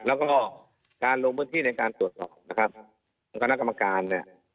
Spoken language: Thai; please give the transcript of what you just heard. และยังงั้นการลงพื้นที่ในการตรวจสอบนักกรรมการเนี่ย